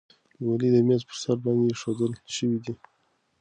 ګولۍ د میز په سر باندې ایښودل شوې دي.